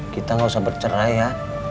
kita nggak usah bercerai ya